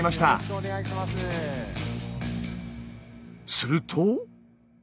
すると。